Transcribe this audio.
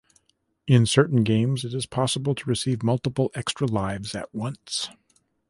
In certain games, it is possible to receive multiple extra lives at once.